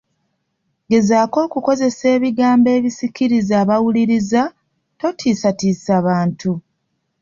Gezaako okukozesa ebigambo ebisikiriza abawuliriza, totiisatiisa bantu.